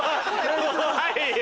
怖いよ。